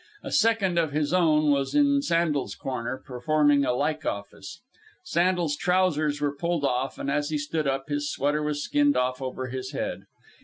A second of his own was in Sandel's corner, performing a like office. Sandel's trousers were pulled off, and, as he stood up, his sweater was skinned off over his head.